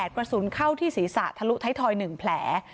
กระสุนเข้าที่ศีรษะทะลุท้ายทอย๑แผล